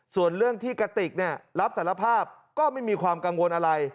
ส่วนเรื่องที่กระติกรับสารภาพก็ไม่มีความกังวลอะไร